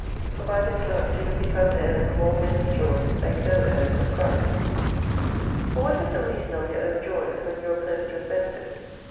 For by this love do we become heirs of all men's joys, and co heirs with Christ. For, what is the reason of your own joys, when you are blessed with benefits ?